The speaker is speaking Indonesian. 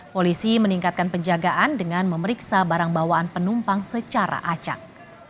polisi meningkatkan penjagaan dengan memeriksa barang bawaan penumpang secara acak